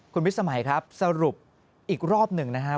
คุณวิศสมัยครับสรุปอีกรอบหนึ่งนะครับ